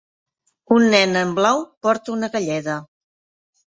un nen en blau porta una galleda